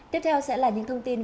tiếp theo sẽ là những thông tin